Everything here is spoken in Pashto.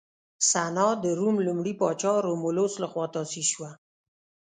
سنا د روم لومړي پاچا رومولوس لخوا تاسیس شوه